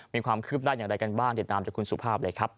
มีความคืบหน้าอย่างไรกันบ้างติดตามจากคุณสุภาพเลยครับ